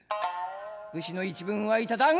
武士の一分あい立たん。